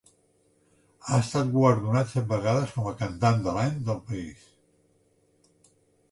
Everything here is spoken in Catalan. Ha estat guardonat set vegades com "Cantant de l'Any" del país.